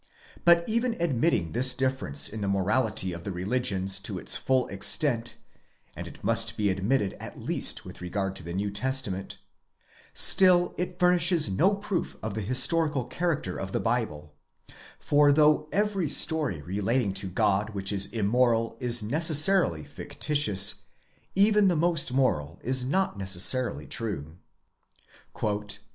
But even admitting this difference in the morality of the religions to its full extent (and it must be admitted at least with regard to the New Testament), still it furnishes no proof of the historical character of the Bible ; for though every story relating to God which is immoral is necessarily fictitious, even the most moral is not necessarily true.